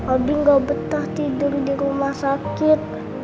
abi gak betah tidur di rumah sakit